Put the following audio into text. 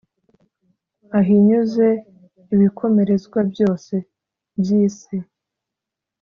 ahinyuze ibikomerezwa byose by’isi.